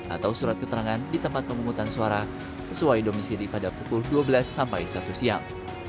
atau surat keterangan di tempat pengumutan suara sesuai domisi di pada pukul dua belas satu siang